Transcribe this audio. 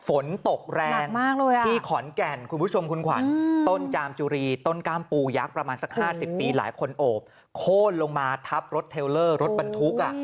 ฝนตกแรงมากเลยที่ขอนแก่นคุณผู้ชมคุณขวัญต้นจามจุรีต้นกล้ามปูยักษ์ประมาณสัก๕๐ปีหลายคนโอบโค้นลงมาทับรถเทลเลอร์รถบรรทุก